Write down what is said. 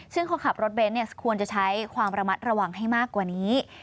ซึ่งคนขับรถเบนส์ควรจะใช้ความระมัดระวังให้มากกว่านี้